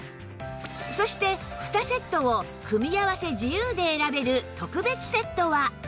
そして２セットを組み合わせ自由で選べる特別セットは